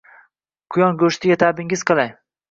Quyon go‘shtiga ta’bingiz qalay?